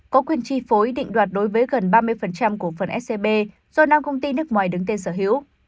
có quyền chi phối định đoạt đối với gần ba mươi của phần scb do năm công ty nước ngoài đứng tên sở hữu